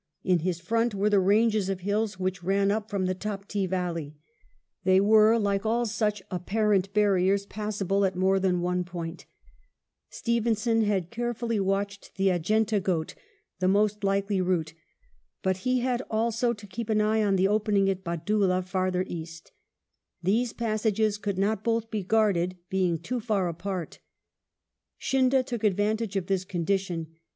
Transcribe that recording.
In his front were the ranges of hills which ran up from the Taptee valley. They were, like all such apparent barriers, passable at more than one point Stevenson had carefully watched the Adjunta Ghaut^ the most likely route, but he had also to keep an eye on the opening at Badoolah, farther east These passages could not both be guarded, being too far apart Scindia took advantage of this condition.